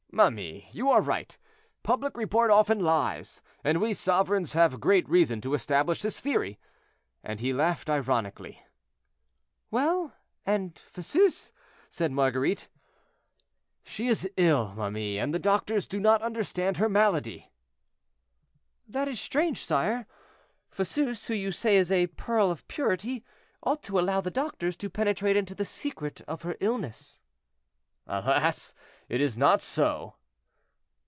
"Ma mie, you are right, public report often lies, and we sovereigns have great reason to establish this theory;" and he laughed ironically. "Well; and Fosseuse?" said Marguerite. "She is ill, ma mie, and the doctors do not understand her malady." "That is strange, sire. Fosseuse, who you say is a pearl of purity, ought to allow the doctors to penetrate into the secret of her illness." "Alas! it is not so."